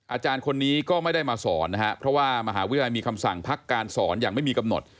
อาจารย์คนนี้ก็ไม่ได้มาสอนนะฮะเพราะว่ามหาวิทยาลัยมีคำสั่งพักการสอนอย่างไม่มีกำหนด